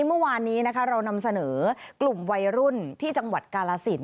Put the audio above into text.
เมื่อวานนี้เรานำเสนอกลุ่มวัยรุ่นที่จังหวัดกาลสิน